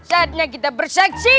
saatnya kita berseksi